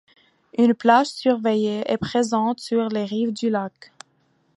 Une plage surveillée est présente sur les rives du lac.